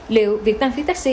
liệu việc tăng phí taxi